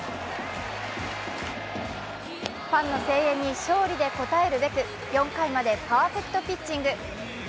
ファンの声援に勝利で応えるべく４回までパーフェクトピッチング。